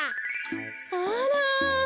あら！